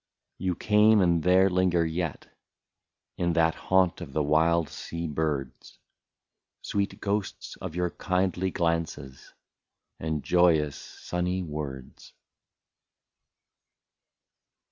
You came, and there linger yet. In that haunt of the wild sea birds, Sweet ghosts of your kindly glances. And joyous sunny words.